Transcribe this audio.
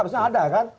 harusnya ada kan